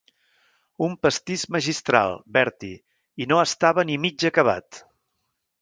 Un pastís magistral, Bertie, i no estava ni mig acabat.